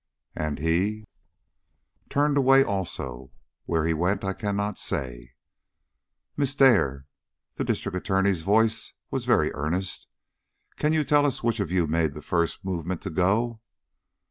"And he?" "Turned away also. Where he went I cannot say." "Miss Dare" the District Attorney's voice was very earnest "can you tell us which of you made the first movement to go?"